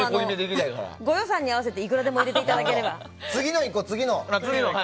ご予算に合わせていくらでも入れていただければ。